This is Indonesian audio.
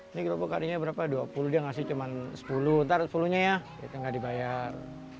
ini kerupuk karinya berapa dua puluh dia ngasih cuma sepuluh ntar sepuluh nya ya nggak dibayar